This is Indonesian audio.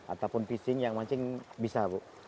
ataupun pishing yang mancing bisa bu